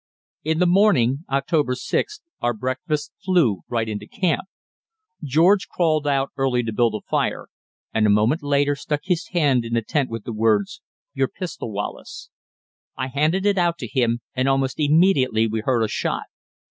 In the morning (October 6) our breakfast flew right into camp. George crawled out early to build a fire, and a moment later stuck his head in the tent with the words, "Your pistol, Wallace." I handed it out to him, and almost immediately we heard a shot.